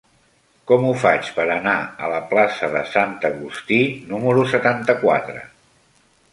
Com ho faig per anar a la plaça de Sant Agustí número setanta-quatre?